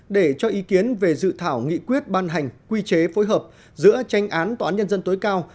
để cho ý kiến về dự thảo nghị quyết ban hành quy chế phối hợp giữa tranh án tòa án nhân dân tối cao